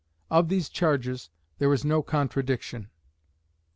Of these charges there is no contradiction.